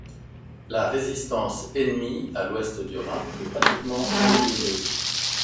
La résistance ennemie à l'ouest du Rhin est pratiquement annihilée.